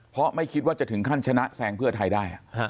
เพราะไม่คิดว่าจะถึงขั้นชนะแซงเพื่อไทยได้